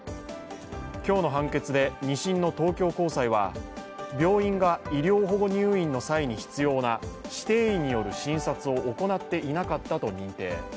今日の判決で２審の東京高裁は病院が医療保護入院の際に必要な指定医による診察を行っていなかったと認定。